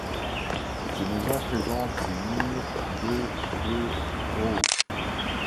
Ces maisons présentent des murs de de haut.